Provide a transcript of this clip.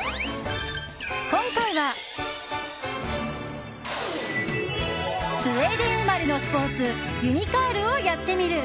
今回はスウェーデン生まれのスポーツユニカールをやってみる。